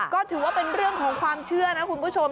ก็ถือว่าเป็นเรื่องของความเชื่อนะคุณผู้ชม